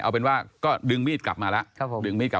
เอาเป็นว่าก็ดึงมีดกลับมาแล้ว